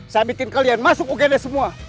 saya bikin kalian masuk ugd semua